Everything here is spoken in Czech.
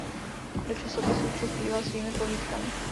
Do časopisů přispíval svými povídkami.